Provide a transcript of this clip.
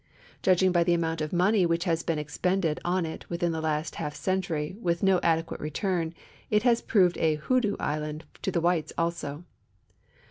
Judging by the amount of money which has been expended on it within the last half century, witli no adequate return, it has proved a " hoodoo " island to the whites also.